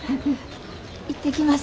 行ってきます。